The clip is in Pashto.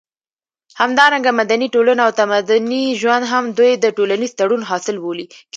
همدارنګه مدني ټولنه او تمدني ژوند هم دوی د ټولنيز تړون حاصل بولي